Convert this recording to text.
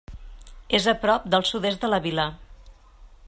És a prop al sud-est de la vila.